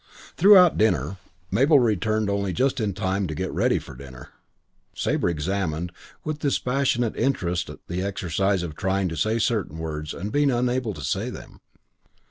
X Throughout dinner Mabel returned only just in time to get ready for dinner Sabre examined with dispassionate interest the exercise of trying to say certain words and being unable to say them.